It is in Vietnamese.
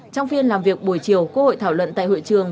trong phiên làm việc buổi chiều quốc hội thảo luận tại hội trường